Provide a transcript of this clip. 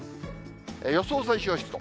予想最小湿度。